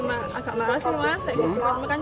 agak mahal sih rumah saya jatuhkan makan